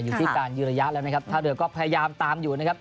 อยู่ที่การยืนระยะแล้วนะครับท่าเรือก็พยายามตามอยู่นะครับ